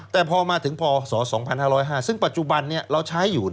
แต่พอมาถึงพศ๒๕๐๕ซึ่งปัจจุบันเราใช้อยู่